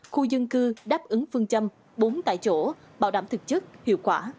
khu dân cư đáp ứng phương châm bốn tại chỗ bảo đảm thực chất hiệu quả